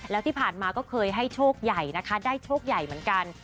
แล้วที่ผ่านมาก็เคยให้โชคใหญ่นะคะได้โชคใหญ่เหมือนกัน